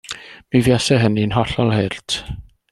Mi fuasai hynna'n hollol hurt.